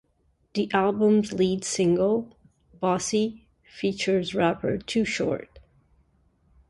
The album's lead single, "Bossy", features rapper Too Short.